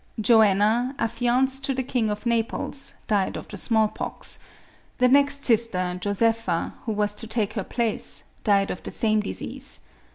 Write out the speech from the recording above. Joanna, affianced to the King of Naples, died of the small pox; the next sister, Josepha, who was to take her place, died of the same disease.